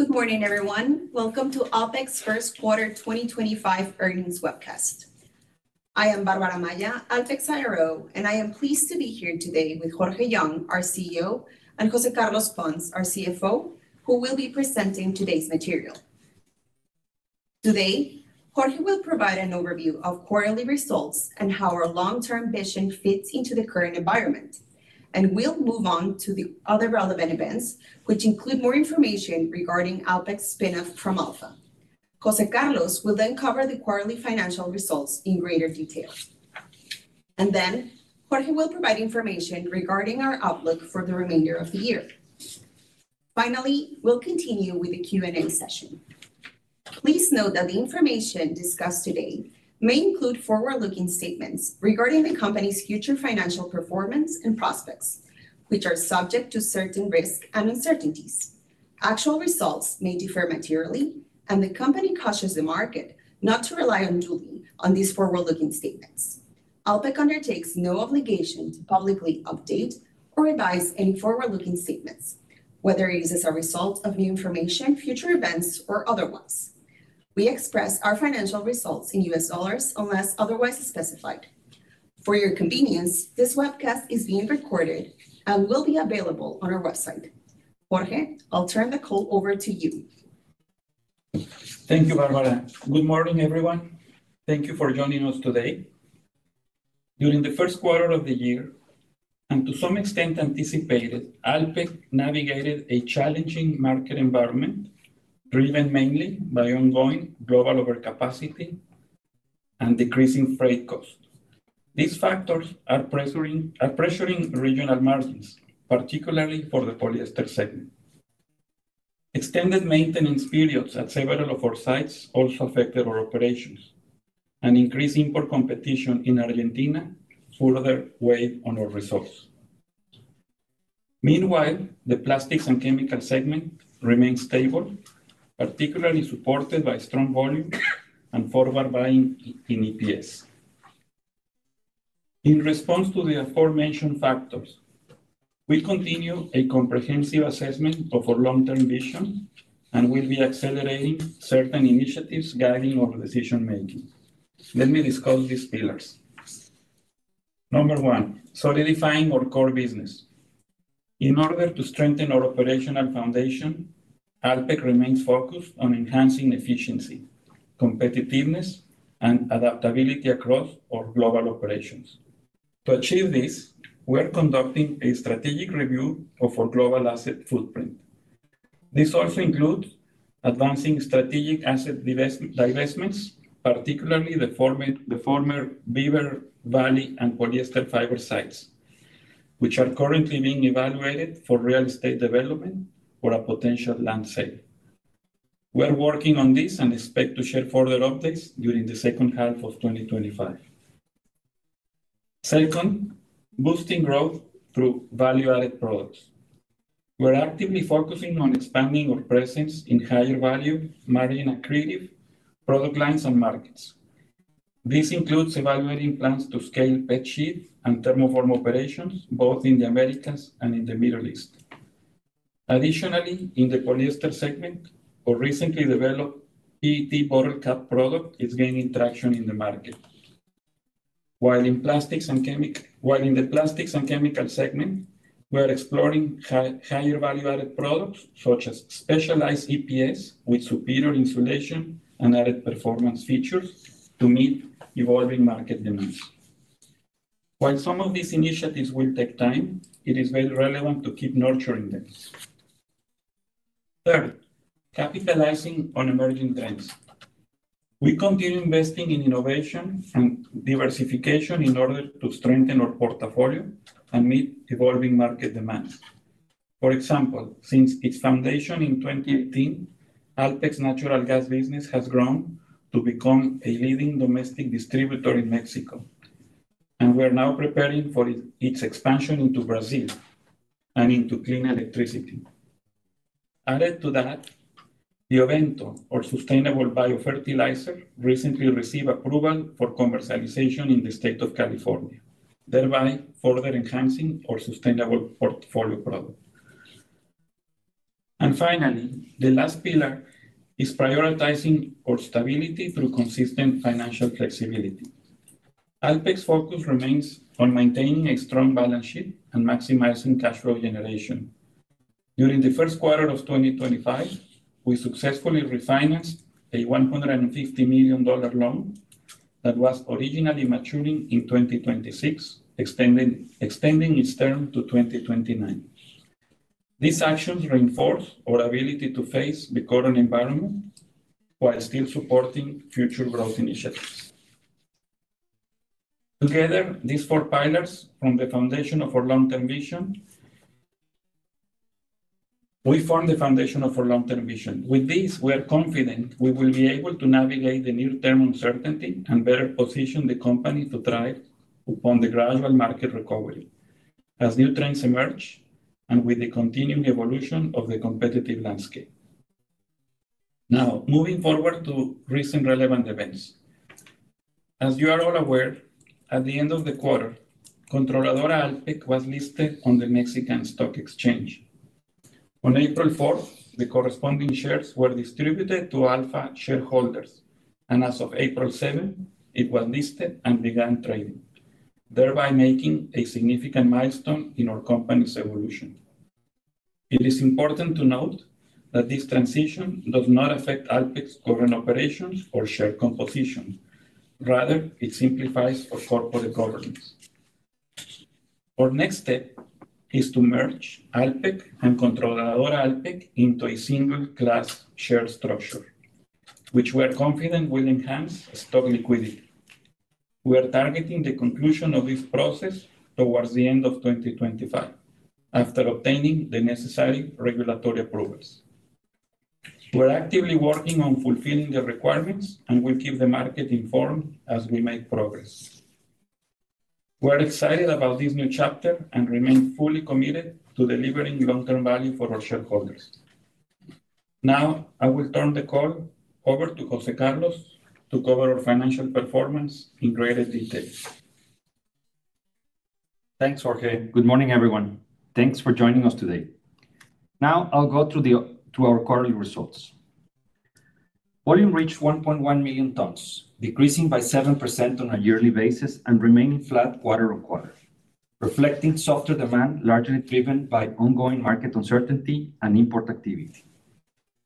Good morning, everyone. Welcome to Alpek's First Quarter 2025 Earnings Webcast. I am Bárbara Amaya, Alpek's CIO, and I am pleased to be here today with Jorge Young, our CEO, and José Carlos Pons, our CFO, who will be presenting today's material. Today, Jorge will provide an overview of quarterly results and how our long-term vision fits into the current environment, and we will move on to the other relevant events, which include more information regarding Alpek's spinoff from Alfa. José Carlos will then cover the quarterly financial results in greater detail. Jorge will provide information regarding our outlook for the remainder of the year. Finally, we will continue with the Q&A session. Please note that the information discussed today may include forward-looking statements regarding the company's future financial performance and prospects, which are subject to certain risks and uncertainties. Actual results may differ materially, and the company cautions the market not to rely on these forward-looking statements. Alpek undertakes no obligation to publicly update or revise any forward-looking statements, whether it is as a result of new information, future events, or otherwise. We express our financial results in U.S. dollars unless otherwise specified. For your convenience, this webcast is being recorded and will be available on our website. Jorge, I'll turn the call over to you. Thank you, Bárbara. Good morning, everyone. Thank you for joining us today. During the first quarter of the year, and to some extent anticipated, Alpek navigated a challenging market environment driven mainly by ongoing global overcapacity and decreasing freight costs. These factors are pressuring regional margins, particularly for the polyester segment. Extended maintenance periods at several of our sites also affected our operations, and increased import competition in Argentina further weighed on our results. Meanwhile, the plastics and chemical segment remained stable, particularly supported by strong volume and forward buying in EPS. In response to the aforementioned factors, we continue a comprehensive assessment of our long-term vision and will be accelerating certain initiatives guiding our decision-making. Let me disclose these pillars. Number one, solidifying our core business. In order to strengthen our operational foundation, Alpek remains focused on enhancing efficiency, competitiveness, and adaptability across our global operations. To achieve this, we're conducting a strategic review of our global asset footprint. This also includes advancing strategic asset divestments, particularly the former Beaver Valley and polyester fiber sites, which are currently being evaluated for real estate development or a potential land sale. We're working on this and expect to share further updates during the second half of 2025. Second, boosting growth through value-added products. We're actively focusing on expanding our presence in higher value, margin-accretive product lines and markets. This includes evaluating plans to scale PET sheets and thermoform operations both in the Americas and in the Middle East. Additionally, in the polyester segment, our recently developed PET bottle cap product is gaining traction in the market. While in the plastics and chemical segment, we're exploring higher value-added products such as specialized EPS with superior insulation and added performance features to meet evolving market demands. While some of these initiatives will take time, it is very relevant to keep nurturing them. Third, capitalizing on emerging trends. We continue investing in innovation and diversification in order to strengthen our portfolio and meet evolving market demands. For example, since its foundation in 2018, Alpek's natural gas business has grown to become a leading domestic distributor in Mexico, and we're now preparing for its expansion into Brazil and into clean electricity. Added to that, Biovento, our sustainable biofertilizer, recently received approval for commercialization in the state of California, thereby further enhancing our sustainable portfolio product. Finally, the last pillar is prioritizing our stability through consistent financial flexibility. Alpek's focus remains on maintaining a strong balance sheet and maximizing cash flow generation. During the first quarter of 2025, we successfully refinanced a $150 million loan that was originally maturing in 2026, extending its term to 2029. These actions reinforce our ability to face the current environment while still supporting future growth initiatives. Together, these four pillars form the foundation of our long-term vision. We form the foundation of our long-term vision. With this, we are confident we will be able to navigate the near-term uncertainty and better position the company to thrive on the gradual market recovery as new trends emerge and with the continuing evolution of the competitive landscape. Now, moving forward to recent relevant events. As you are all aware, at the end of the quarter, Controladora Alpek was listed on the Mexican Stock Exchange. On April 4, the corresponding shares were distributed to Alfa shareholders, and as of April 7, it was listed and began trading, thereby making a significant milestone in our company's evolution. It is important to note that this transition does not affect Alpek's current operations or share composition. Rather, it simplifies our corporate governance. Our next step is to merge Alpek and Controladora Alpek into a single class share structure, which we are confident will enhance stock liquidity. We are targeting the conclusion of this process towards the end of 2025, after obtaining the necessary regulatory approvals. We're actively working on fulfilling the requirements and will keep the market informed as we make progress. We are excited about this new chapter and remain fully committed to delivering long-term value for our shareholders. Now, I will turn the call over to José Carlos to cover our financial performance in greater detail. Thanks, Jorge. Good morning, everyone. Thanks for joining us today. Now, I'll go through our quarterly results. Oil reached 1.1 million tons, decreasing by 7% on a yearly basis and remaining flat quarter on quarter, reflecting softer demand largely driven by ongoing market uncertainty and import activity.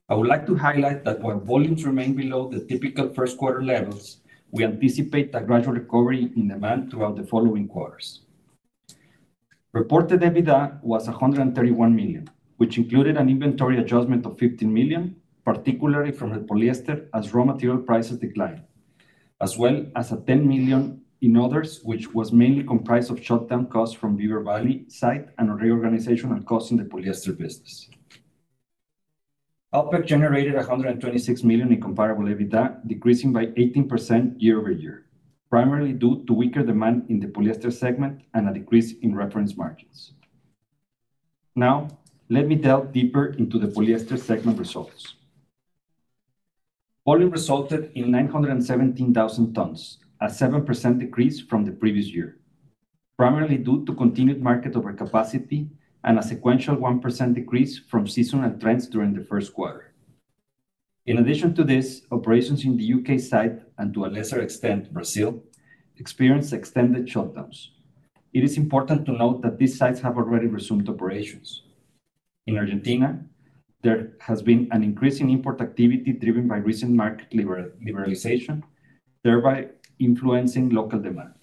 I would like to highlight that while volumes remain below the typical first quarter levels, we anticipate a gradual recovery in demand throughout the following quarters. Reported EBITDA was $131 million, which included an inventory adjustment of $15 million, particularly from the polyester as raw material prices declined, as well as $10 million in others, which was mainly comprised of shutdown costs from Beaver Valley site and reorganization and costs in the polyester business. Alpek generated $126 million in comparable EBITDA, decreasing by 18% year over year, primarily due to weaker demand in the polyester segment and a decrease in reference margins. Now, let me delve deeper into the polyester segment results. Oil resulted in 917,000 tons, a 7% decrease from the previous year, primarily due to continued market overcapacity and a sequential 1% decrease from seasonal trends during the first quarter. In addition to this, operations in the U.K. site and, to a lesser extent, Brazil, experienced extended shutdowns. It is important to note that these sites have already resumed operations. In Argentina, there has been an increasing import activity driven by recent market liberalization, thereby influencing local demand.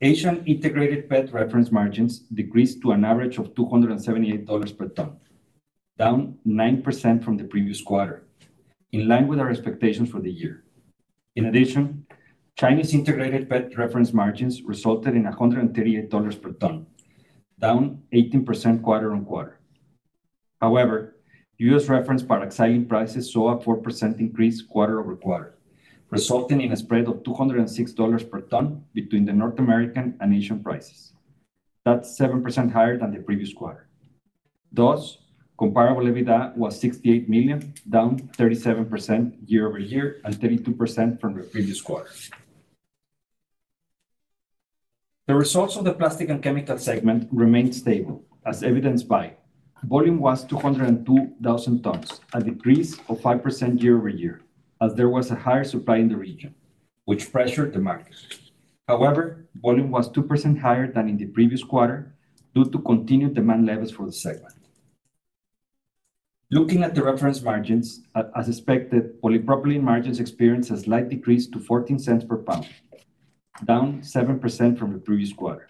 Asian integrated PET reference margins decreased to an average of $278 per ton, down 9% from the previous quarter, in line with our expectations for the year. In addition, Chinese integrated PET reference margins resulted in $138 per ton, down 18% quarter on quarter. However, U.S. Reference paraxylene prices saw a 4% increase quarter over quarter, resulting in a spread of $206 per ton between the North American and Asian prices. That's 7% higher than the previous quarter. Thus, comparable EBITDA was $68 million, down 37% year over year and 32% from the previous quarter. The results of the plastic and chemical segment remained stable, as evidenced by volume was 202,000 tons, a decrease of 5% year over year, as there was a higher supply in the region, which pressured the market. However, volume was 2% higher than in the previous quarter due to continued demand levels for the segment. Looking at the reference margins, as expected, polypropylene margins experienced a slight decrease to 14 cents per pound, down 7% from the previous quarter,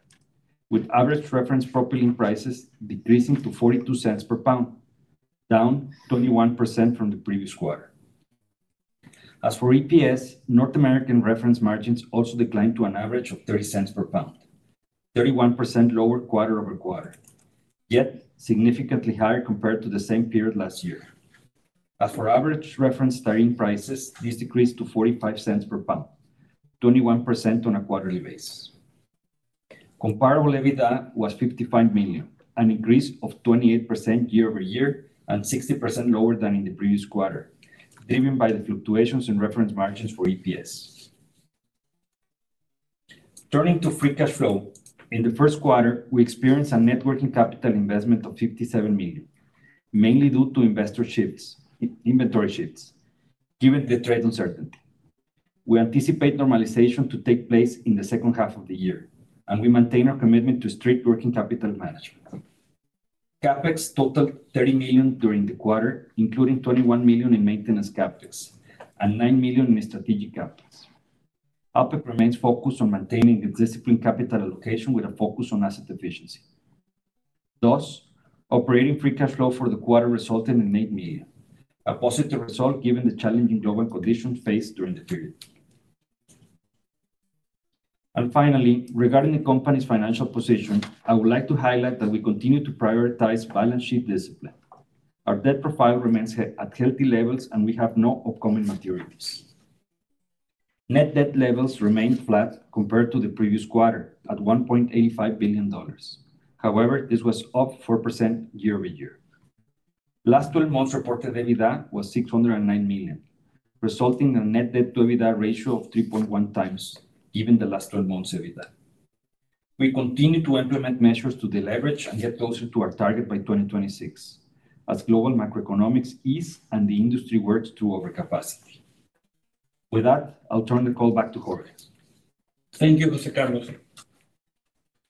with average reference propylene prices decreasing to 42 cents per pound, down 21% from the previous quarter. As for EPS, North American reference margins also declined to an average of $0.30 per pound, 31% lower quarter over quarter, yet significantly higher compared to the same period last year. As for average reference styrene prices, these decreased to $0.45 per pound, 21% on a quarterly basis. Comparable EBITDA was $55 million, an increase of 28% year over year and 60% lower than in the previous quarter, driven by the fluctuations in reference margins for EPS. Turning to free cash flow, in the first quarter, we experienced a net working capital investment of $57 million, mainly due to inventory shifts, given the trade uncertainty. We anticipate normalization to take place in the second half of the year, and we maintain our commitment to strict working capital management. CapEx totaled $30 million during the quarter, including $21 million in maintenance CapEx and $9 million in strategic CapEx. Alpek remains focused on maintaining its disciplined capital allocation with a focus on asset efficiency. Thus, operating free cash flow for the quarter resulted in $8 million, a positive result given the challenging global conditions faced during the period. Finally, regarding the company's financial position, I would like to highlight that we continue to prioritize balance sheet discipline. Our debt profile remains at healthy levels, and we have no upcoming maturities. Net debt levels remained flat compared to the previous quarter at $1.85 billion. However, this was up 4% year over year. Last 12 months reported EBITDA was $609 million, resulting in a net debt to EBITDA ratio of 3.1 times given the last 12 months EBITDA. We continue to implement measures to deleverage and get closer to our target by 2026, as global macroeconomics is and the industry works to overcapacity. With that, I'll turn the call back to Jorge. Thank you, José Carlos.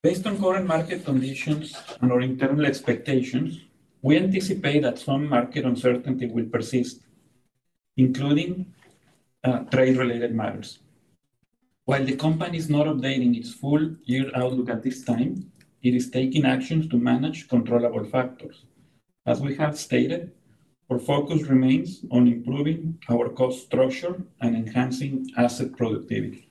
Based on current market conditions and our internal expectations, we anticipate that some market uncertainty will persist, including trade-related matters. While the company is not updating its full year outlook at this time, it is taking actions to manage controllable factors. As we have stated, our focus remains on improving our cost structure and enhancing asset productivity.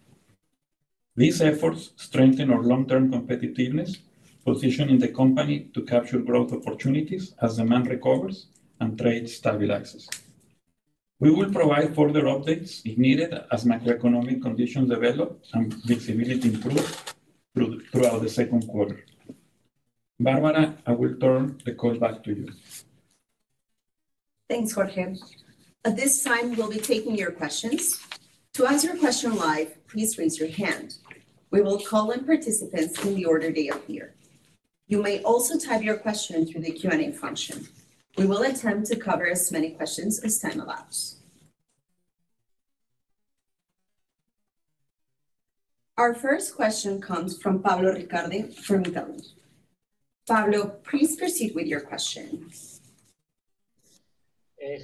These efforts strengthen our long-term competitiveness, positioning the company to capture growth opportunities as demand recovers and trade stabilizes. We will provide further updates if needed as macroeconomic conditions develop and visibility improves throughout the second quarter. Bárbara, I will turn the call back to you. Thanks, Jorge. At this time, we'll be taking your questions. To ask your question live, please raise your hand. We will call in participants in the order they appear. You may also type your question through the Q&A function. We will attempt to cover as many questions as time allows. Our first question comes from Pablo Ricalde. Pablo, please proceed with your question.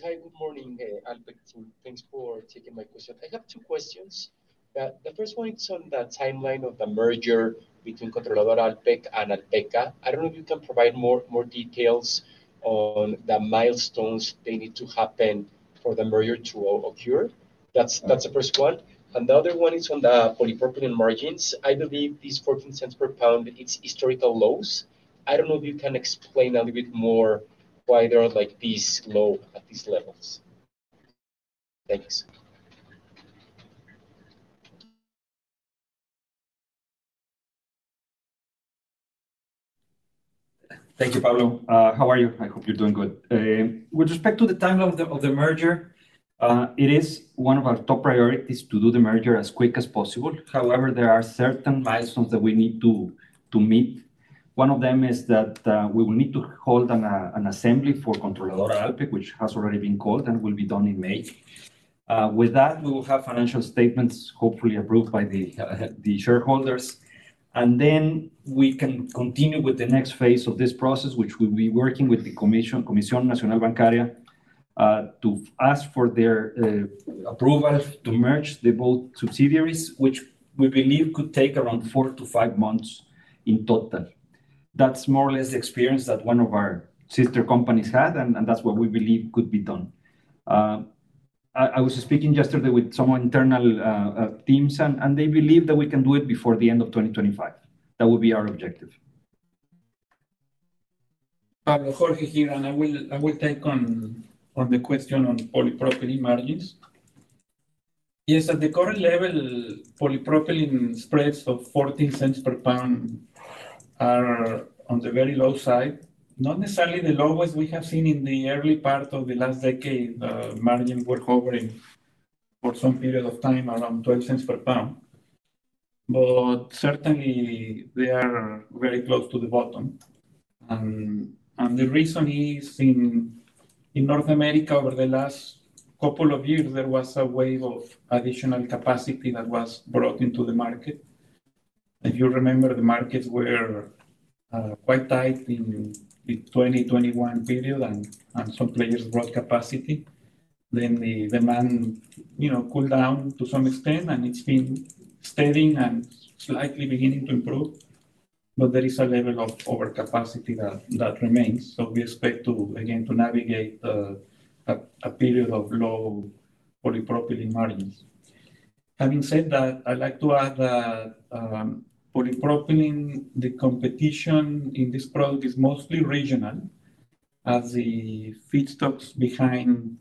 Hi, good morning, Alpek team. Thanks for taking my question. I have two questions. The first one is on the timeline of the merger between Controladora Alpek and Alpek. I don't know if you can provide more details on the milestones that need to happen for the merger to occur. That's the first one. The other one is on the polypropylene margins. I believe these 14 cents per pound, it's historical lows. I don't know if you can explain a little bit more why they are this low at these levels. Thanks. Thank you, Pablo. How are you? I hope you're doing good. With respect to the time of the merger, it is one of our top priorities to do the merger as quick as possible. However, there are certain milestones that we need to meet. One of them is that we will need to hold an assembly for Controladora Alpek, which has already been called and will be done in May. With that, we will have financial statements hopefully approved by the shareholders. Then we can continue with the next phase of this process, which will be working with the Comisión Nacional Bancaria y de Valores to ask for their approval to merge the both subsidiaries, which we believe could take around four to five months in total. That is more or less the experience that one of our sister companies had, and that is what we believe could be done. I was speaking yesterday with some internal teams, and they believe that we can do it before the end of 2025. That will be our objective. Pablo, Jorge here, and I will take on the question on polypropylene margins. Yes, at the current level, polypropylene spreads of 14 cents per pound are on the very low side. Not necessarily the lowest we have seen in the early part of the last decade. The margins were hovering for some period of time around 12 cents per pound. Certainly, they are very close to the bottom. The reason is in North America, over the last couple of years, there was a wave of additional capacity that was brought into the market. If you remember, the markets were quite tight in the 2021 period, and some players brought capacity. The demand cooled down to some extent, and it's been steady and slightly beginning to improve. There is a level of overcapacity that remains. We expect to, again, navigate a period of low polypropylene margins. Having said that, I'd like to add that polypropylene, the competition in this product is mostly regional, as the feedstocks behind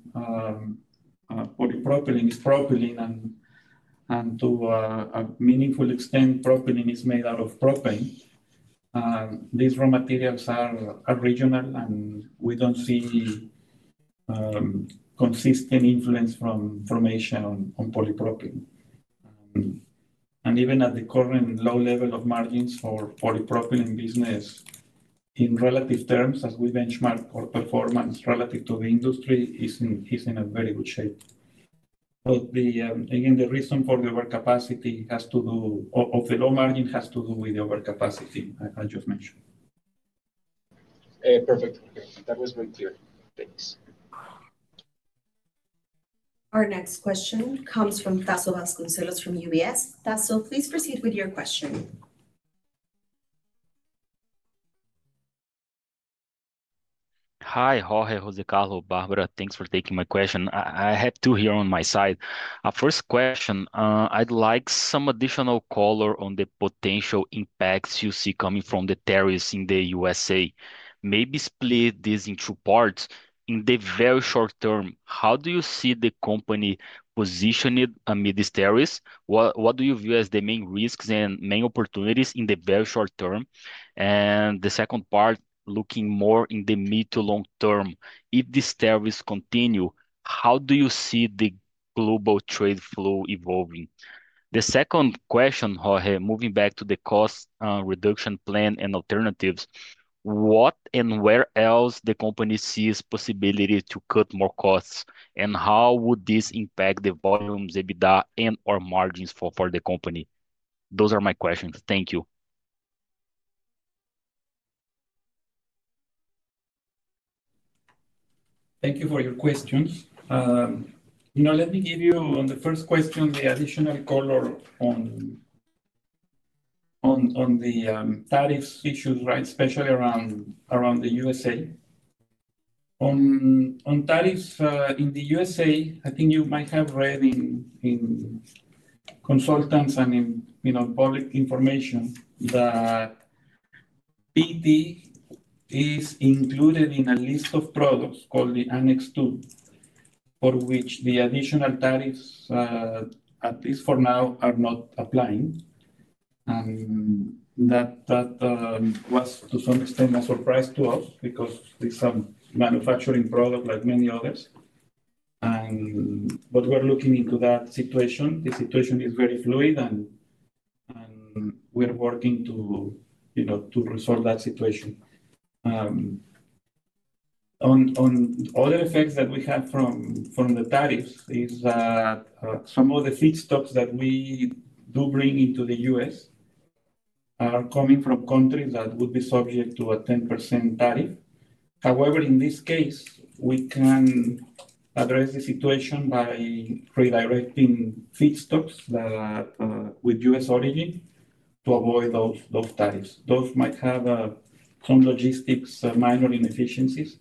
polypropylene is propylene, and to a meaningful extent, propylene is made out of propane. These raw materials are regional, and we don't see consistent influence from formation on polypropylene. Even at the current low level of margins for polypropylene business, in relative terms, as we benchmark our performance relative to the industry, it's in a very good shape. The reason for the overcapacity has to do, of the low margin has to do with the overcapacity I just mentioned. Perfect. That was very clear. Thanks. Our next question comes from Tasso Vasconcelos from UBS. Tasso, please proceed with your question. Hi, Jorge, José Carlos, Bárbara. Thanks for taking my question. I had two here on my side. First question, I'd like some additional color on the potential impacts you see coming from the tariffs in the U.S.A. Maybe split this into two parts. In the very short term, how do you see the company positioned amid these tariffs? What do you view as the main risks and main opportunities in the very short term? The second part, looking more in the mid to long term, if these tariffs continue, how do you see the global trade flow evolving? The second question, Jorge, moving back to the cost reduction plan and alternatives, what and where else does the company see the possibility to cut more costs? How would this impact the volumes, EBITDA, and/or margins for the company? Those are my questions. Thank you. Thank you for your questions. You know, let me give you, on the first question, the additional color on the tariff issues, right, especially around the U.S. On tariffs in the U.S., I think you might have read in consultants and in public information that PET is included in a list of products called the Annex II, for which the additional tariffs, at least for now, are not applying. That was, to some extent, a surprise to us because it's a manufacturing product like many others. We are looking into that situation. The situation is very fluid, and we are working to resolve that situation. On other effects that we have from the tariffs, some of the feedstocks that we do bring into the U.S. are coming from countries that would be subject to a 10% tariff. However, in this case, we can address the situation by redirecting feedstocks that are with U.S. origin to avoid those tariffs. Those might have some logistics minor inefficiencies,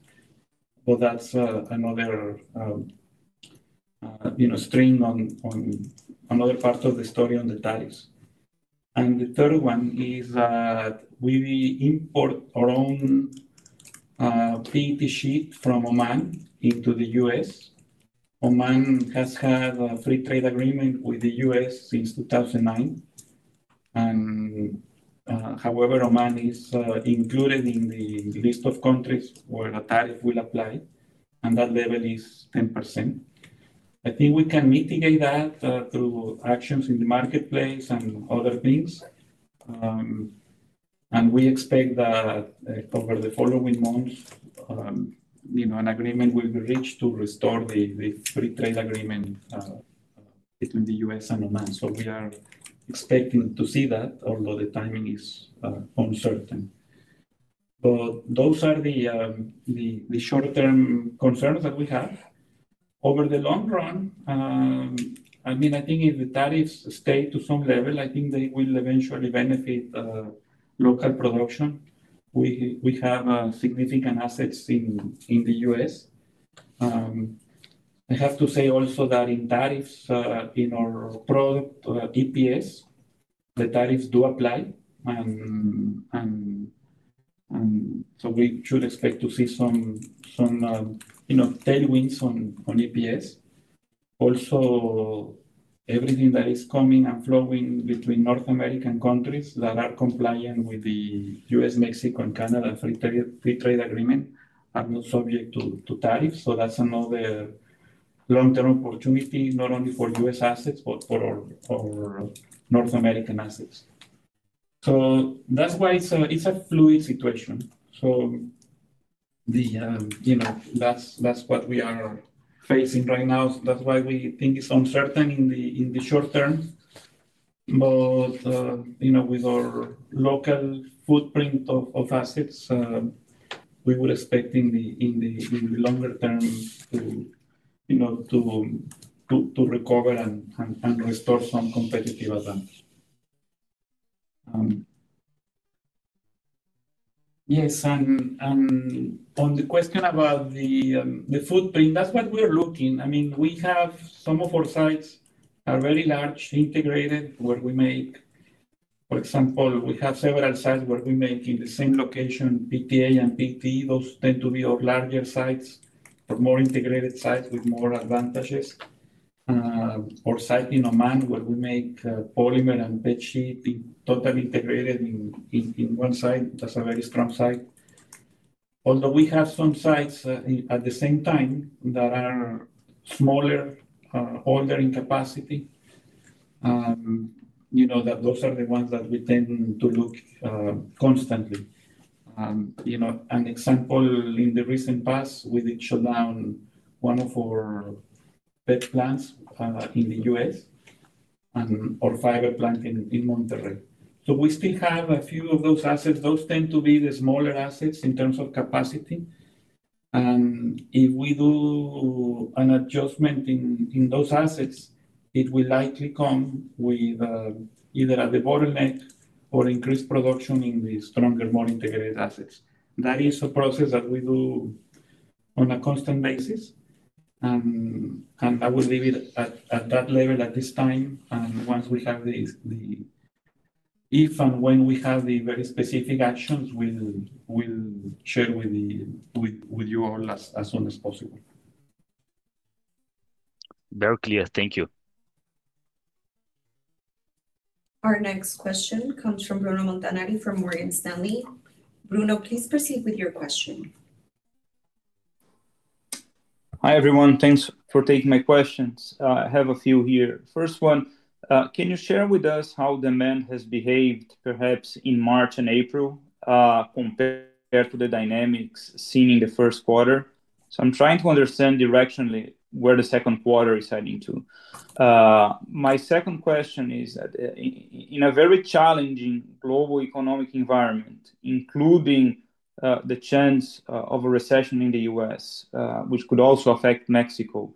but that's another string on another part of the story on the tariffs. The third one is that we import our own PET sheet from Oman into the U.S. Oman has had a free trade agreement with the U.S. since 2009. However, Oman is included in the list of countries where a tariff will apply, and that level is 10%. I think we can mitigate that through actions in the marketplace and other things. We expect that over the following months, an agreement will be reached to restore the free trade agreement between the U.S. and Oman. We are expecting to see that, although the timing is uncertain. Those are the short-term concerns that we have. Over the long run, I mean, I think if the tariffs stay to some level, I think they will eventually benefit local production. We have significant assets in the U.S. I have to say also that in tariffs in our product, EPS, the tariffs do apply. And so we should expect to see some tailwinds on EPS. Also, everything that is coming and flowing between North American countries that are compliant with the U.S., Mexico, and Canada free trade agreement are not subject to tariffs. That is another long-term opportunity, not only for U.S. assets, but for North American assets. That is why it is a fluid situation. That is what we are facing right now. That is why we think it is uncertain in the short term. With our local footprint of assets, we were expecting in the longer term to recover and restore some competitive advantage. Yes. On the question about the footprint, that's what we're looking. I mean, we have some of our sites are very large, integrated, where we make, for example, we have several sites where we make in the same location, PTA and PET. Those tend to be larger sites or more integrated sites with more advantages. Our site in Oman, where we make polymer and PET sheet totally integrated in one site, that's a very strong site. Although we have some sites at the same time that are smaller, older in capacity, those are the ones that we tend to look constantly. An example in the recent past, we did shut down one of our PET plants in the U.S., our fiber plant in Monterrey. We still have a few of those assets. Those tend to be the smaller assets in terms of capacity. If we do an adjustment in those assets, it will likely come with either at the bottleneck or increased production in the stronger, more integrated assets. That is a process that we do on a constant basis. I will leave it at that level at this time. Once we have the, if and when we have the very specific actions, we'll share with you all as soon as possible. Very clear. Thank you. Our next question comes from Bruno Montanari from Morgan Stanley. Bruno, please proceed with your question. Hi, everyone. Thanks for taking my questions. I have a few here. First one, can you share with us how demand has behaved, perhaps in March and April, compared to the dynamics seen in the first quarter? I am trying to understand directionally where the second quarter is heading to. My second question is, in a very challenging global economic environment, including the chance of a recession in the U.S., which could also affect Mexico,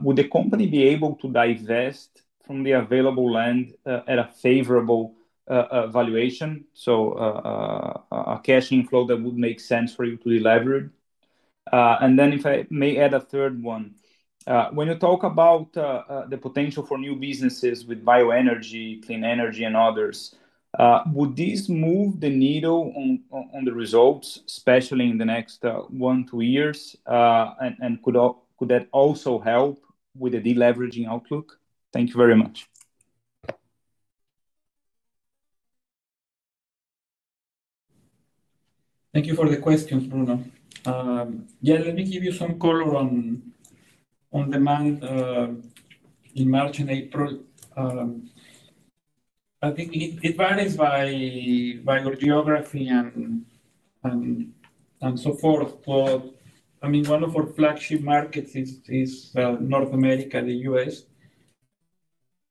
would the company be able to divest from the available land at a favorable valuation, a cash inflow that would make sense for you to deliver? If I may add a third one, when you talk about the potential for new businesses with bioenergy, clean energy, and others, would this move the needle on the results, especially in the next one to two years? Could that also help with the deleveraging outlook? Thank you very much. Thank you for the question, Bruno. Yeah, let me give you some color on demand in March and April. I think it varies by your geography and so forth. I mean, one of our flagship markets is North America, the U.S.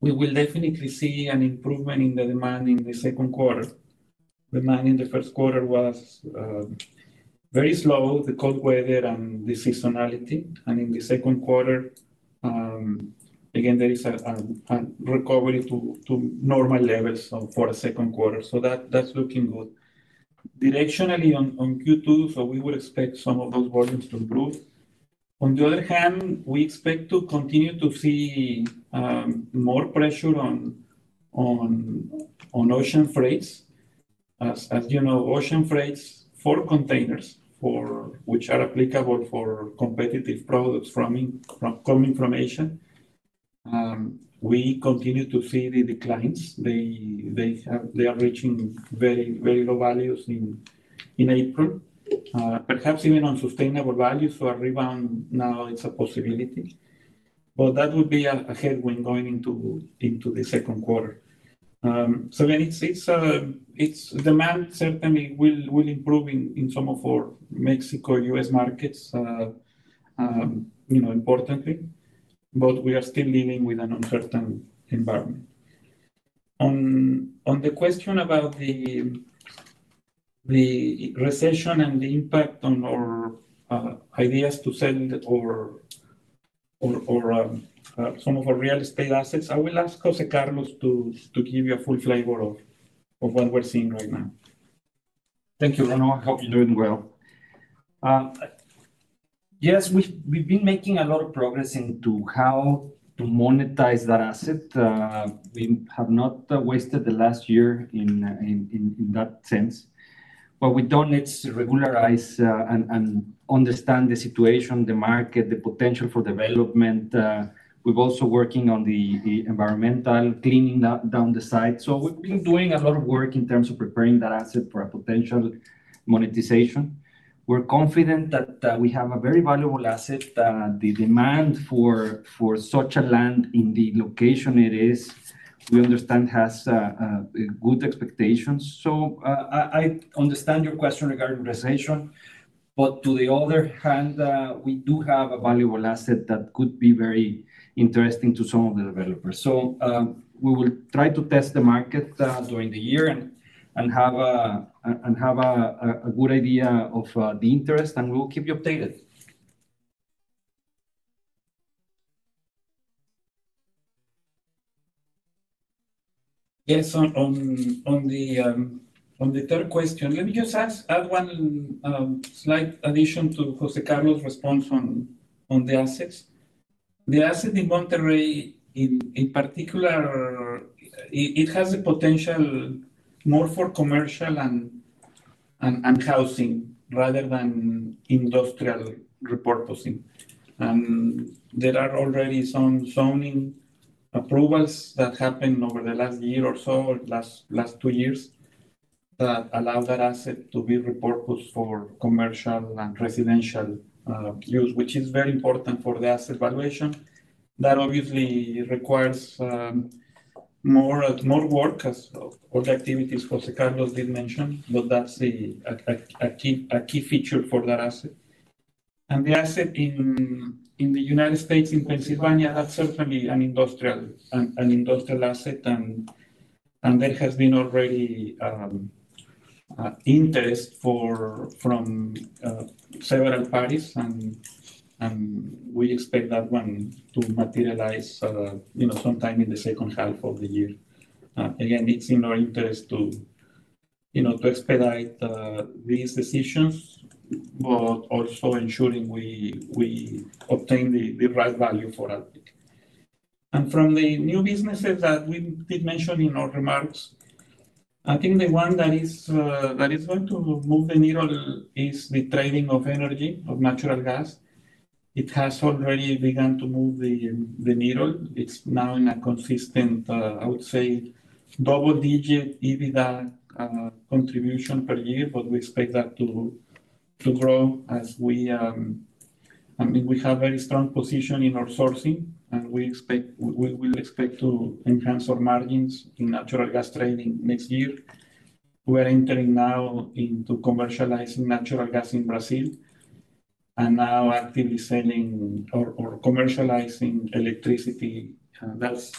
We will definitely see an improvement in the demand in the second quarter. Demand in the first quarter was very slow, the cold weather and the seasonality. In the second quarter, again, there is a recovery to normal levels for a second quarter. That is looking good. Directionally on Q2, we would expect some of those volumes to improve. On the other hand, we expect to continue to see more pressure on ocean freights. As you know, ocean freights for containers, which are applicable for competitive products coming from Asia, we continue to see the declines. They are reaching very low values in April, perhaps even unsustainable values. A rebound now is a possibility. That would be a headwind going into the second quarter. Demand certainly will improve in some of our Mexico-U.S. markets importantly, but we are still dealing with an uncertain environment. On the question about the recession and the impact on our ideas to send some of our real estate assets, I will ask José Carlos to give you a full flavor of what we're seeing right now. Thank you, Bruno. I hope you're doing well. Yes, we've been making a lot of progress into how to monetize that asset. We have not wasted the last year in that sense. What we've done is regularize and understand the situation, the market, the potential for development. We're also working on the environmental, cleaning down the site. We have been doing a lot of work in terms of preparing that asset for a potential monetization. We are confident that we have a very valuable asset. The demand for such a land in the location it is, we understand, has good expectations. I understand your question regarding recession. On the other hand, we do have a valuable asset that could be very interesting to some of the developers. We will try to test the market during the year and have a good idea of the interest, and we will keep you updated. Yes, on the third question, let me just add one slight addition to José Carlos' response on the assets. The asset in Monterrey, in particular, it has the potential more for commercial and housing rather than industrial reporting. There are already some zoning approvals that happened over the last year or so, last two years, that allow that asset to be reported for commercial and residential use, which is very important for the asset valuation. That obviously requires more work, as all the activities José Carlos did mention, but that's a key feature for that asset. The asset in the United States, in Pennsylvania, that's certainly an industrial asset. There has been already interest from several parties, and we expect that one to materialize sometime in the second half of the year. It is in our interest to expedite these decisions, but also ensuring we obtain the right value for us. From the new businesses that we did mention in our remarks, I think the one that is going to move the needle is the trading of energy, of natural gas. It has already begun to move the needle. It is now in a consistent, I would say, double-digit EBITDA contribution per year, but we expect that to grow as we have a very strong position in our sourcing. We will expect to enhance our margins in natural gas trading next year. We are entering now into commercializing natural gas in Brazil and now actively selling or commercializing electricity. That is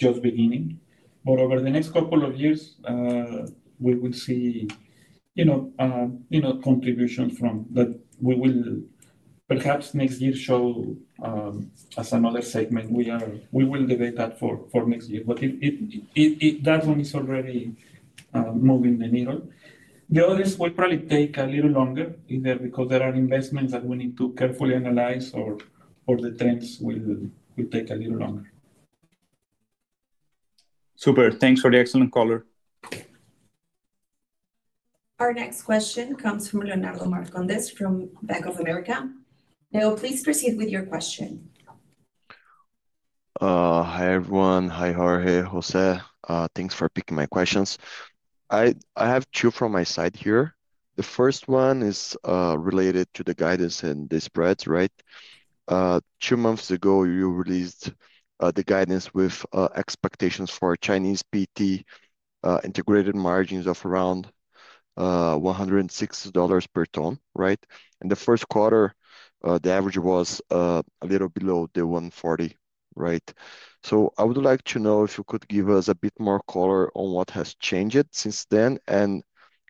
just beginning. Over the next couple of years, we will see contributions from that. We will perhaps next year show as another segment. We will debate that for next year. That one is already moving the needle. The others will probably take a little longer because there are investments that we need to carefully analyze, or the trends will take a little longer. Super. Thanks for the excellent caller. Our next question comes from Leonardo Marcondes from Bank of America. Now, please proceed with your question. Hi everyone. Hi Jorge, José. Thanks for picking my questions. I have two from my side here. The first one is related to the guidance and the spreads, right? Two months ago, you released the guidance with expectations for Chinese PT integrated margins of around $106 per ton, right? The first quarter, the average was a little below the $140, right? I would like to know if you could give us a bit more color on what has changed since then and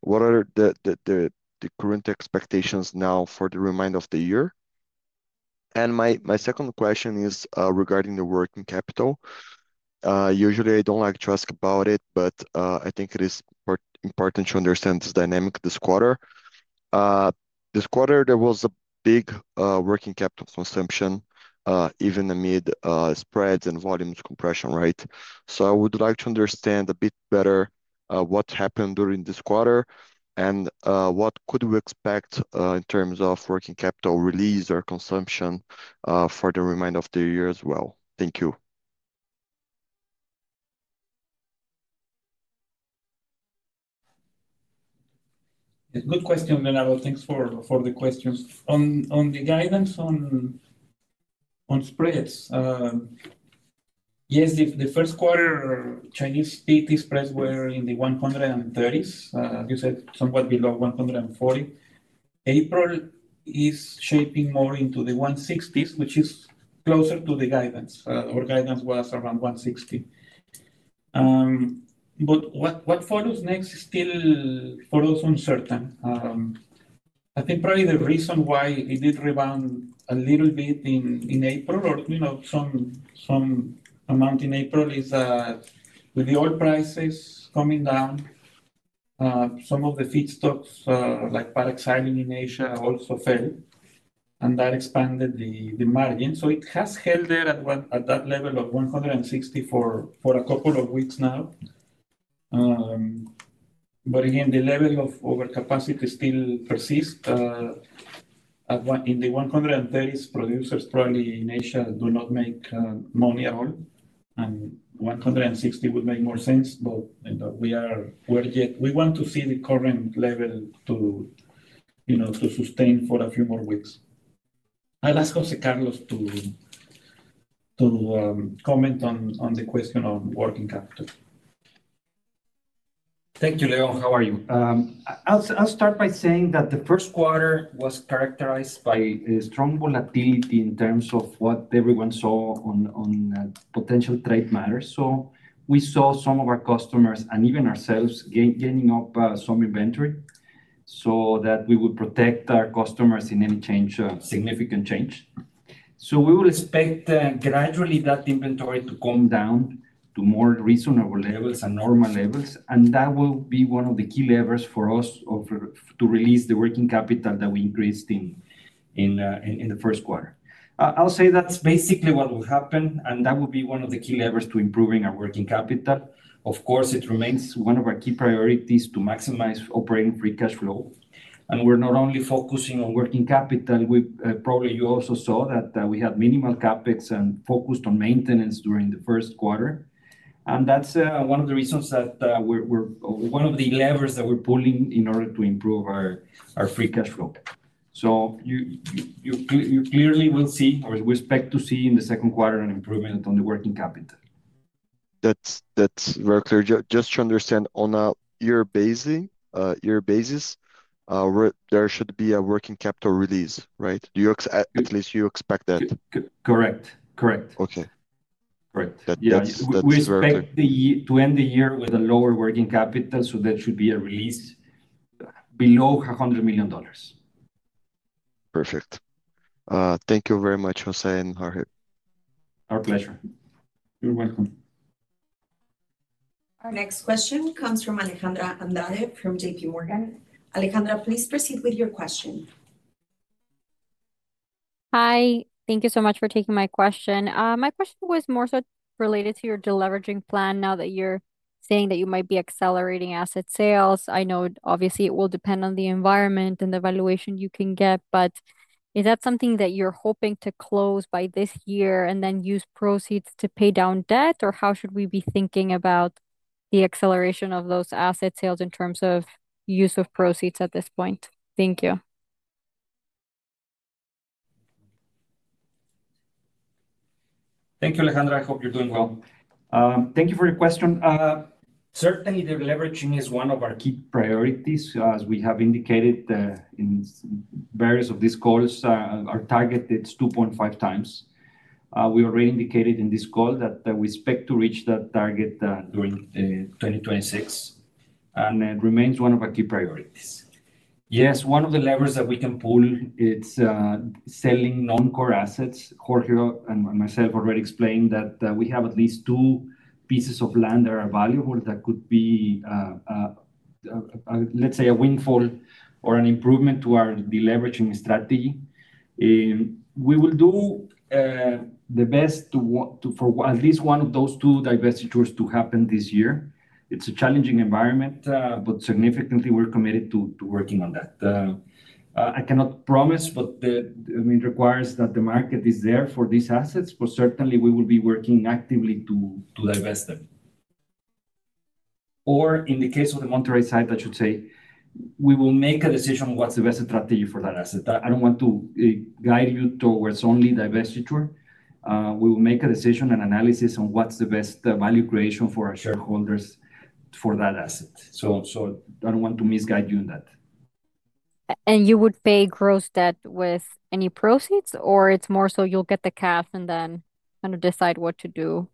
what are the current expectations now for the remainder of the year. My second question is regarding the working capital. Usually, I do not like to ask about it, but I think it is important to understand this dynamic this quarter. This quarter, there was a big working capital consumption, even amid spreads and volume compression, right? I would like to understand a bit better what happened during this quarter and what could we expect in terms of working capital release or consumption for the remainder of the year as well. Thank you. Good question, Leonardo. Thanks for the questions. On the guidance on spreads, yes, the first quarter Chinese PET spreads were in the 130s. You said somewhat below 140. April is shaping more into the 160s, which is closer to the guidance. Our guidance was around 160. What follows next is still for us uncertain. I think probably the reason why it did rebound a little bit in April, or some amount in April, is with the oil prices coming down, some of the feedstocks like paraxylene in Asia also fell, and that expanded the margin. It has held there at that level of 160 for a couple of weeks now. The level of overcapacity still persists. In the 130s, producers probably in Asia do not make money at all. hundred sixty would make more sense, but we want to see the current level to sustain for a few more weeks. I'll ask José Carlos to comment on the question on working capital. Thank you, Leo. How are you? I'll start by saying that the first quarter was characterized by strong volatility in terms of what everyone saw on potential trade matters. We saw some of our customers and even ourselves gaining up some inventory so that we would protect our customers in any significant change. We would expect gradually that inventory to come down to more reasonable levels and normal levels. That will be one of the key levers for us to release the working capital that we increased in the first quarter. I'll say that's basically what will happen, and that will be one of the key levers to improving our working capital. Of course, it remains one of our key priorities to maximize operating free cash flow. We're not only focusing on working capital. Probably you also saw that we had minimal CapEx and focused on maintenance during the first quarter. That is one of the reasons that we are one of the levers that we are pulling in order to improve our free cash flow. You clearly will see, or we expect to see in the second quarter an improvement on the working capital. That's very clear. Just to understand, on your basis, there should be a working capital release, right? At least you expect that. Correct. Correct. Okay. Right. Yes, we expect to end the year with a lower working capital, so that should be a release below $100 million. Perfect. Thank you very much, José and Jorge. Our pleasure. You're welcome. Our next question comes from Alejandra Andrade from JPMorgan. Alejandra, please proceed with your question. Hi. Thank you so much for taking my question. My question was more so related to your deleveraging plan now that you're saying that you might be accelerating asset sales. I know, obviously, it will depend on the environment and the valuation you can get, but is that something that you're hoping to close by this year and then use proceeds to pay down debt, or how should we be thinking about the acceleration of those asset sales in terms of use of proceeds at this point? Thank you. Thank you, Alejandra. I hope you're doing well. Thank you for your question. Certainly, deleveraging is one of our key priorities. As we have indicated in various of these calls, our target is 2.5 times. We already indicated in this call that we expect to reach that target during 2026. It remains one of our key priorities. Yes, one of the levers that we can pull is selling non-core assets. Jorge and myself already explained that we have at least two pieces of land that are valuable that could be, let's say, a windfall or an improvement to our deleveraging strategy. We will do the best for at least one of those two divestitures to happen this year. It's a challenging environment, but significantly, we're committed to working on that. I cannot promise, but it requires that the market is there for these assets. Certainly, we will be working actively to divest them. In the case of the Monterrey site, I should say, we will make a decision on what's the best strategy for that asset. I do not want to guide you towards only divestiture. We will make a decision and analysis on what's the best value creation for our shareholders for that asset. I do not want to misguide you in that. You would pay gross debt with any proceeds, or it's more so you'll get the cap and then kind of decide what to do?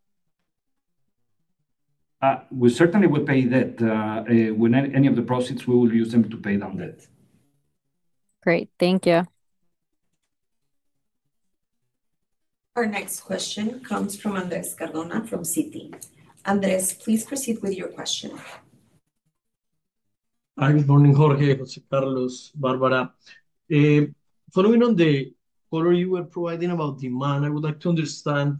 We certainly will pay debt. When any of the proceeds, we will use them to pay down debt. Great. Thank you. Our next question comes from Andrés Cardona from Citi. Andrés, please proceed with your question. Hi. Good morning, Jorge, José Carlos, Bárbara. Following on the follower you were providing about demand, I would like to understand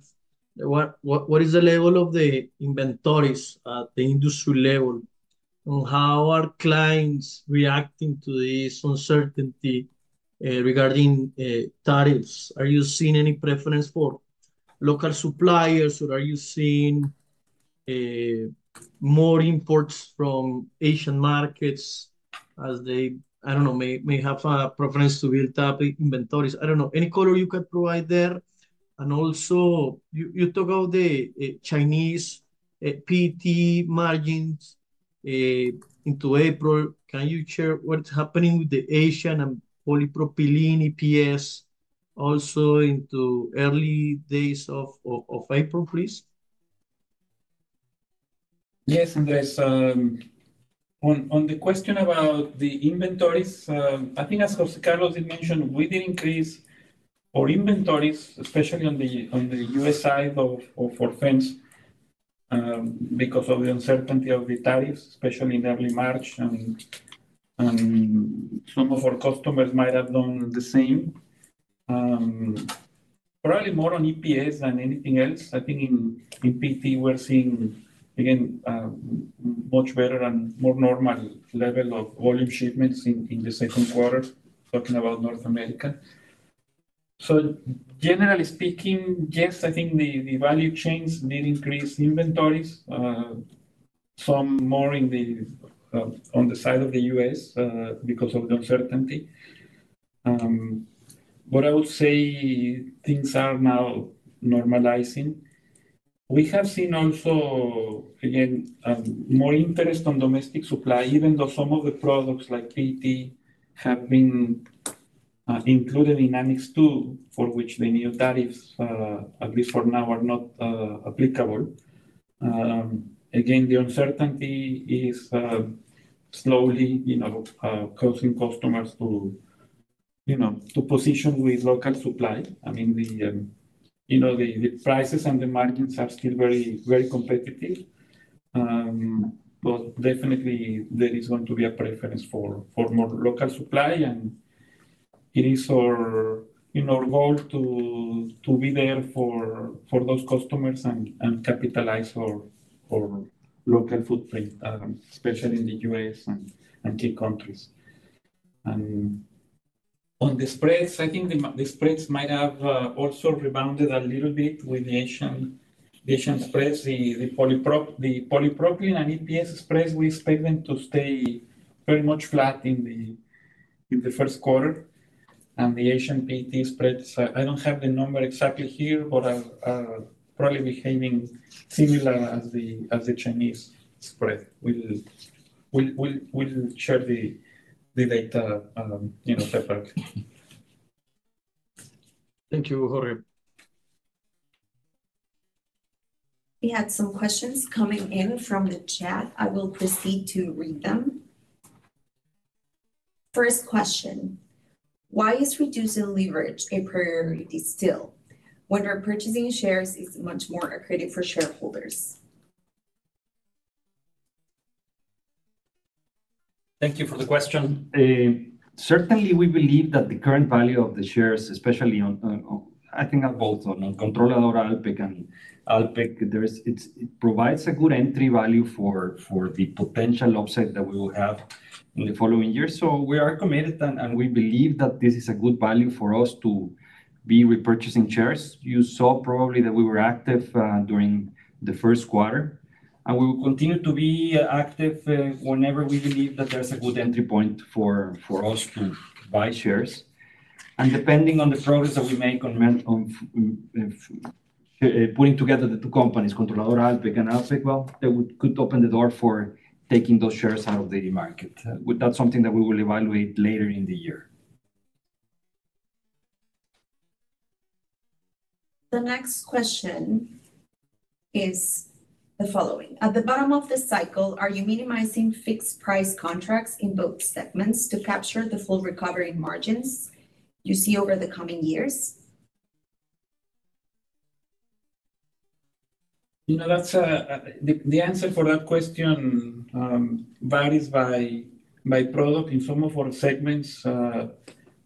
what is the level of the inventories at the industry level and how are clients reacting to this uncertainty regarding tariffs? Are you seeing any preference for local suppliers, or are you seeing more imports from Asian markets as they, I don't know, may have a preference to build up inventories? I don't know. Any color you can provide there? Also, you talk about the Chinese PET margins into April. Can you share what's happening with the Asian and polypropylene EPS also into early days of April, please? Yes, Andrés. On the question about the inventories, I think, as José Carlos did mention, we did increase our inventories, especially on the U.S. side of our firms, because of the uncertainty of the tariffs, especially in early March. Some of our customers might have done the same. Probably more on EPS than anything else. I think in PET, we're seeing, again, much better and more normal level of volume shipments in the second quarter, talking about North America. Generally speaking, yes, I think the value chains did increase inventories, some more on the side of the U.S. because of the uncertainty. What I would say, things are now normalizing. We have seen also, again, more interest on domestic supply, even though some of the products like PET have been included in Annex II, for which the new tariffs, at least for now, are not applicable. Again, the uncertainty is slowly causing customers to position with local supply. I mean, the prices and the margins are still very competitive. There is going to be a preference for more local supply. It is our goal to be there for those customers and capitalize our local footprint, especially in the U.S. and key countries. On the spreads, I think the spreads might have also rebounded a little bit with the Asian spreads. The polypropylene and EPS spreads, we expect them to stay very much flat in the first quarter. The Asian PET spreads, I do not have the number exactly here, but probably behaving similar as the Chinese spreads. We will share the data separately. Thank you, Jorge. We had some questions coming in from the chat. I will proceed to read them. First question. Why is reducing leverage a priority still when our purchasing shares is much more accretive for shareholders? Thank you for the question. Certainly, we believe that the current value of the shares, especially on, I think, on both on Controladora Alpek and Alpek, it provides a good entry value for the potential upside that we will have in the following year. We are committed, and we believe that this is a good value for us to be repurchasing shares. You saw probably that we were active during the first quarter. We will continue to be active whenever we believe that there's a good entry point for us to buy shares. Depending on the progress that we make on putting together the two companies, Controladora Alpek and Alpek, they could open the door for taking those shares out of the market. That is something that we will evaluate later in the year. The next question is the following. At the bottom of the cycle, are you minimizing fixed price contracts in both segments to capture the full recovery margins you see over the coming years? You know, the answer for that question varies by product. In some of our segments,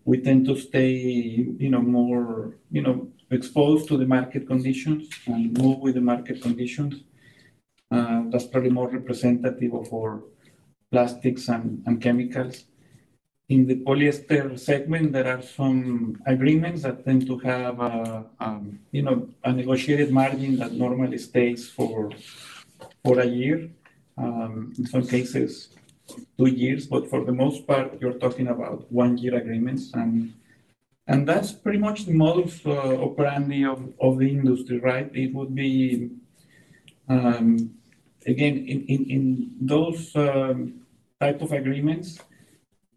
we tend to stay more exposed to the market conditions and move with the market conditions. That's probably more representative of our plastics and chemicals. In the polyester segment, there are some agreements that tend to have a negotiated margin that normally stays for a year. In some cases, two years. For the most part, you're talking about one-year agreements. That's pretty much the model of the industry, right? It would be, again, in those types of agreements,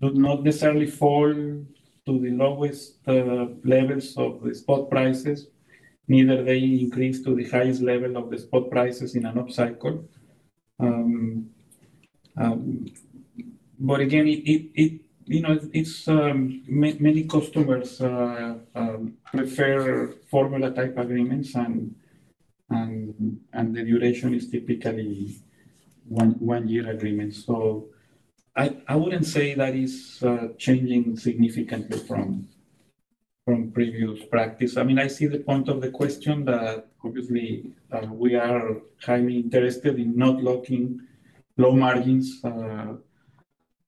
not necessarily fall to the lowest levels of the spot prices. Neither they increase to the highest level of the spot prices in an upcycle. Again, many customers prefer formula-type agreements, and the duration is typically one-year agreements. I wouldn't say that is changing significantly from previous practice. I mean, I see the point of the question, but obviously, we are highly interested in not locking low margins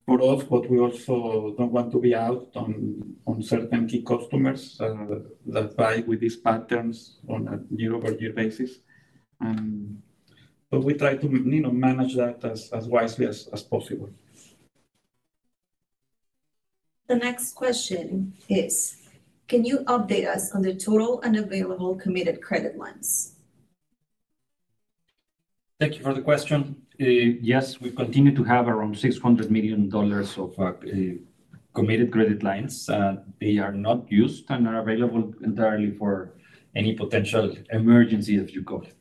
for us, but we also do not want to be out on certain key customers that buy with these patterns on a year-over-year basis. We try to manage that as wisely as possible. The next question is, can you update us on the total unavailable committed credit lines? Thank you for the question. Yes, we continue to have around $600 million of committed credit lines. They are not used and are available entirely for any potential emergency, as you call it.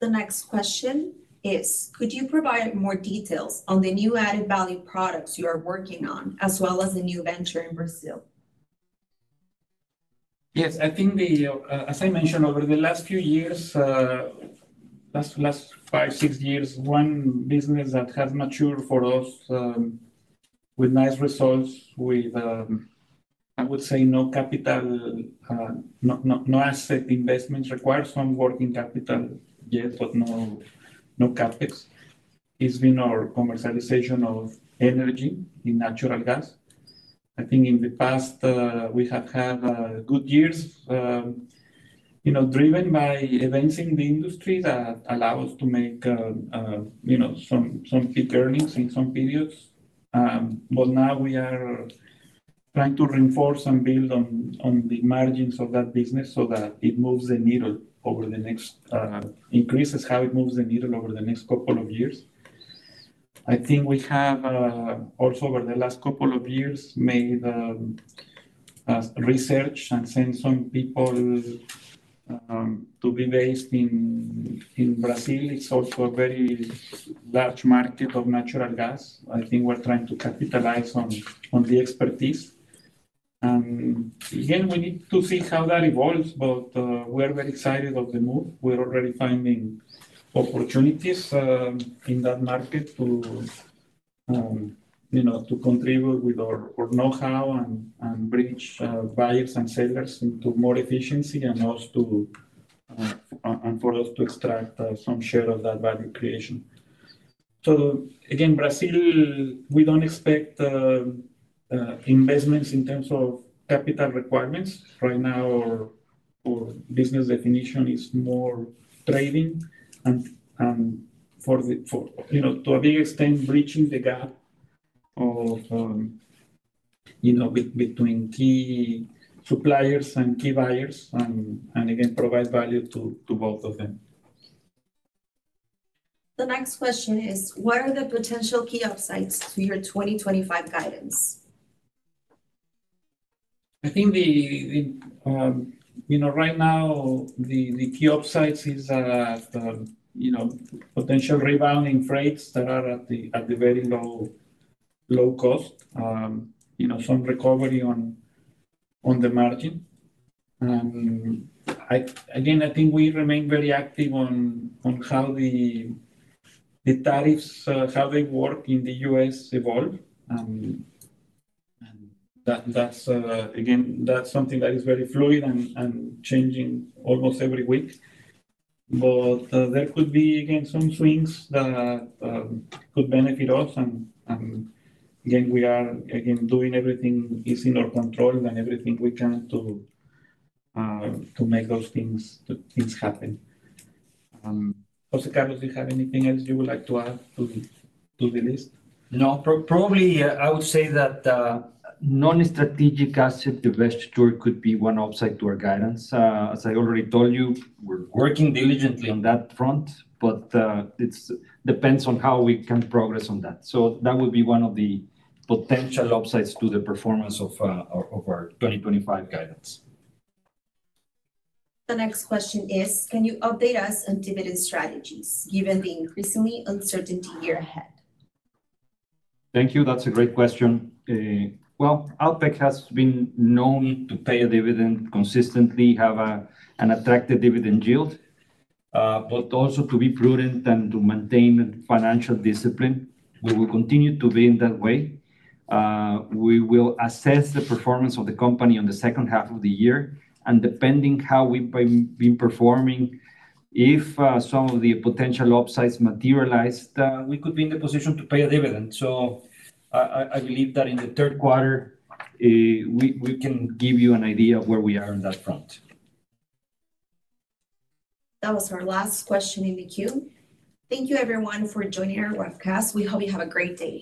The next question is, could you provide more details on the new added value products you are working on, as well as the new venture in Brazil? Yes. I think, as I mentioned, over the last few years, last five, six years, one business that has matured for us with nice results, with, I would say, no capital, no asset investments required, some working capital yet, but no CapEx, has been our commercialization of energy in natural gas. I think in the past, we have had good years driven by advancing the industry that allow us to make some key earnings in some periods. Now we are trying to reinforce and build on the margins of that business so that it moves the needle over the next increases how it moves the needle over the next couple of years. I think we have also, over the last couple of years, made research and sent some people to be based in Brazil. It is also a very large market of natural gas. I think we're trying to capitalize on the expertise. Again, we need to see how that evolves, but we are very excited of the move. We're already finding opportunities in that market to contribute with our know-how and bring buyers and sellers into more efficiency and for us to extract some share of that value creation. Again, Brazil, we do not expect investments in terms of capital requirements. Right now, our business definition is more trading. To a big extent, bridging the gap between key suppliers and key buyers and, again, provide value to both of them. The next question is, what are the potential key upsides for your 2025 guidance? I think right now, the key upsides are potential rebounding rates that are at the very low cost, some recovery on the margin. I think we remain very active on how the tariffs, how they work in the U.S. evolve. That is something that is very fluid and changing almost every week. There could be some swings that could benefit us. We are doing everything that is in our control and everything we can to make those things happen. José Carlos, do you have anything else you would like to add to the list? No. Probably, I would say that non-strategic asset divestiture could be one upside to our guidance. As I already told you, we're working diligently on that front, but it depends on how we can progress on that. That would be one of the potential upsides to the performance of our 2025 guidance. The next question is, can you update us on dividend strategies, given the increasingly uncertainty year ahead? Thank you. That is a great question. Alpek has been known to pay a dividend consistently, have an attractive dividend yield, but also to be prudent and to maintain financial discipline. We will continue to be in that way. We will assess the performance of the company in the second half of the year. Depending on how we have been performing, if some of the potential upsides materialize, we could be in the position to pay a dividend. I believe that in the third quarter, we can give you an idea of where we are on that front. That was our last question in the queue. Thank you, everyone, for joining our webcast. We hope you have a great day.